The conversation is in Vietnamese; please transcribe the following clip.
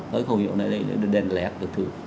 câu khẩu hiệu này là đèn lẹt